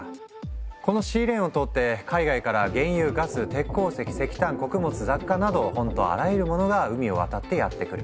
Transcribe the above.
このシーレーンを通って海外から原油ガス鉄鉱石石炭穀物雑貨などホントあらゆる物が海を渡ってやって来る。